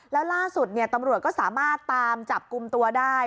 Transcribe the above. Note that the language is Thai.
แล้วล่าสุดตำรวจก็สามารถตามจับกลุ่มตัวได้